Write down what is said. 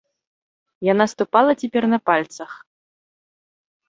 Яна ступала цяпер на пальцах.